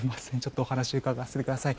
お話伺わせてください。